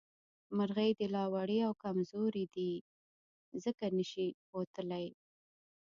مرغۍ لا وړې او کمزورې دي ځکه نه شي اوتلې